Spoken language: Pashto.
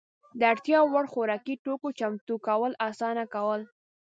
د اړتیا وړ خوراکي توکو چمتو کول اسانه کول.